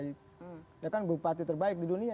itu bukan wali kota terbaik ya kan bupati terbaik di dunia